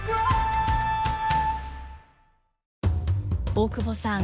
大久保さん